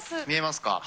見えますか？